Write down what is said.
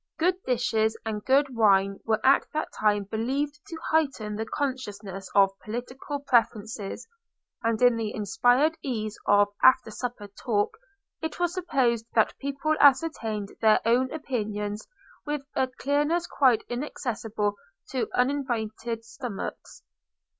Good dishes and good wine were at that time believed to heighten the consciousness of political preferences, and in the inspired ease of after supper talk it was supposed that people ascertained their own opinions with a clearness quite inaccessible to uninvited stomachs.